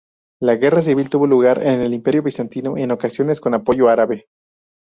La guerra civil tuvo lugar en el Imperio bizantino, en ocasiones con apoyo árabe.